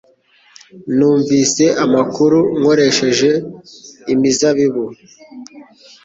Numvise amakuru nkoresheje imizabibu